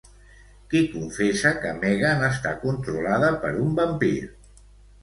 Qui confessa que Megan està controlada per un vampir?